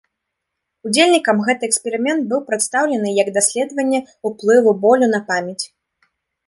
Удзельнікам гэты эксперымент быў прадстаўлены як даследаванне ўплыву болю на памяць.